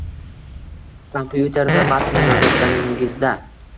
Kompyuterda matn yozayotganingizda